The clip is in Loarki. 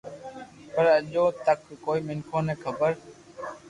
پر اڄو تڪ ڪوئي مينکو ني خبر